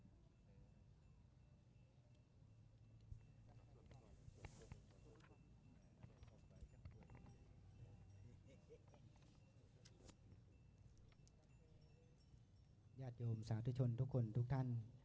ต่อไปสาธิชนทุกท่าน